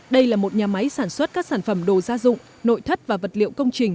đây là một nhà máy sản xuất các sản phẩm đồ gia dụng nội thất và vật liệu công trình